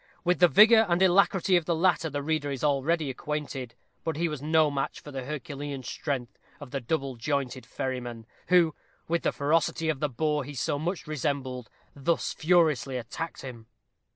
With the vigor and alacrity of the latter the reader is already acquainted, but he was no match for the herculean strength of the double jointed ferryman, who, with the ferocity of the boar he so much resembled, thus furiously attacked him.